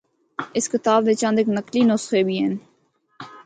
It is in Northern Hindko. اس کتاب دے چند اک نقلی نسخے بھی ہن۔